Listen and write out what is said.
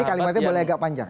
kalimatnya boleh agak panjang